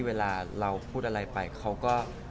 เวลาเราพูดอะไรไปเขาก็